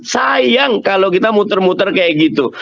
sayang kalau kita muter muter kayak gitu